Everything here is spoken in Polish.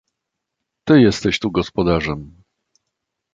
"Ty jesteś tu gospodarzem."